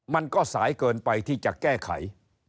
มันก็สายเกินไปที่จะแก้ไข